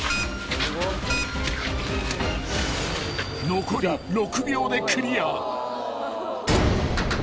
［残り６秒でクリア］